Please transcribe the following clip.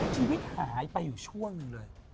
ชีวิตหายไปอยู่ช่วงหนึ่งเลย